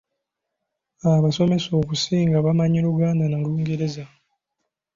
Abasomesa okusinga bamanyi Luganda na Lungereza.